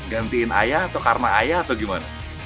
gantiin ayah atau karena ayah atau gimana